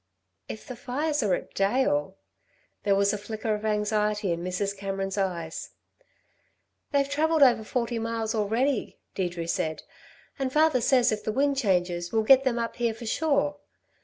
"If the fires are at Dale " There was a flicker of anxiety in Mrs. Cameron's eyes. "They've travelled over forty miles already," Deirdre said. "And father says if the wind changes we'll get them up here for sure.